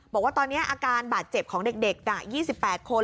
บอกว่าตอนนี้อาการบาดเจ็บของเด็ก๒๘คน